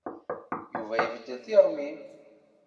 Yuba ibeddel tiɣmi.